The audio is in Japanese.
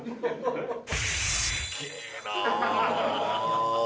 すげえなあ。